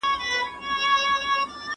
تر قیامته خو دي نه شم غولولای